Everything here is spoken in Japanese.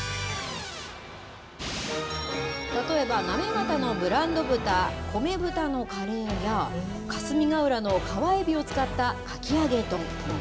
例えば行方のブランド豚、こめぶたのカレーや、霞ヶ浦の川エビを使ったかき揚げ丼。